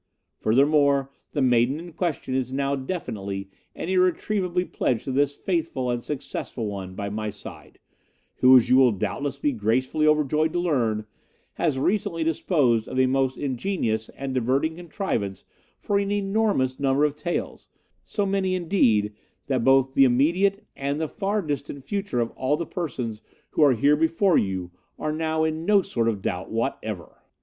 Furthermore, the maiden in question is now definitely and irretrievably pledged to this faithful and successful one by my side, who, as you will doubtless be gracefully overjoyed to learn, has recently disposed of a most ingenious and diverting contrivance for an enormous number of taels, so many, indeed, that both the immediate and the far distant future of all the persons who are here before you are now in no sort of doubt whatever.